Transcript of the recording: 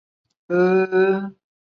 曼联获得冠军。